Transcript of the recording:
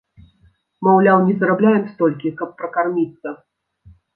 Маўляў, не зарабляем столькі, каб пракарміцца.